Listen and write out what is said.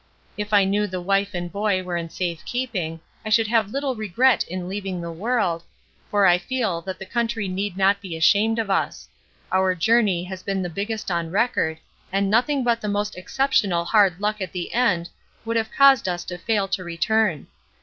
If I knew the wife and boy were in safe keeping I should have little regret in leaving the world, for I feel that the country need not be ashamed of us our journey has been the biggest on record, and nothing but the most exceptional hard luck at the end would have caused us to fail to return.